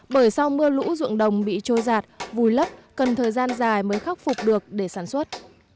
bởi sau mưa lũ ruộng đồng bị trôi giạt vùi lấp cần thời gian dài mới khắc phục được để sản xuất